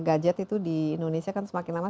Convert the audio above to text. gadget itu di indonesia kan semakin lama